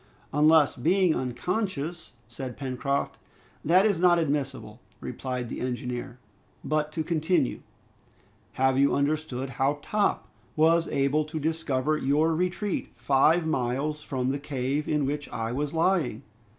"Unless, being unconscious " said Pencroft. "That is not admissible," replied the engineer. "But to continue. Have you understood how Top was able to discover your retreat five miles from the cave in which I was lying?"